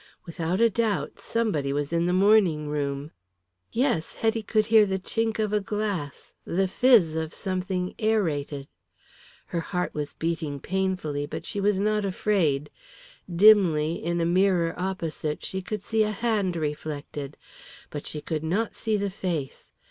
Without a doubt somebody was in the morning room. Yes, Hetty could hear the chink of a glass, the fizz of something aerated. Her heart was beating painfully, but she was not afraid. Dimly, in a mirror opposite, she could see a hand reflected. But she could not see the face.